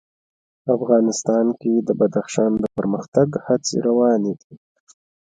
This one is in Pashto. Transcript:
افغانستان کې د بدخشان د پرمختګ هڅې روانې دي.